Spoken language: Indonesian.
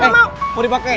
eh kok dipakein